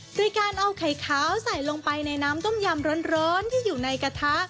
โดยการเอาไข่ขาวใส่ลงไปในน้ำต้มยำร้อนที่อยู่ในกระทะ